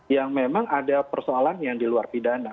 yang memang ada persoalan yang di luar pidana